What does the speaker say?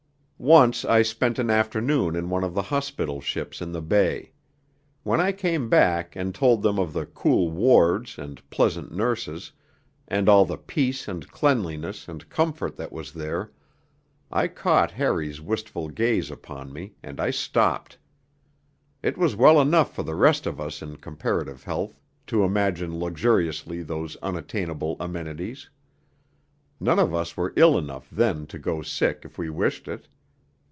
Once I spent an afternoon in one of the hospital ships in the bay: when I came back and told them of the cool wards and pleasant nurses, and all the peace and cleanliness and comfort that was there, I caught Harry's wistful gaze upon me, and I stopped. It was well enough for the rest of us in comparative health to imagine luxuriously those unattainable amenities. None of us were ill enough then to go sick if we wished it.